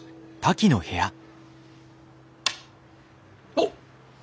おっ！